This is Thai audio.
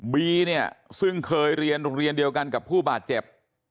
บีเนี่ยซึ่งเคยเรียนโรงเรียนเดียวกันกับผู้บาดเจ็บ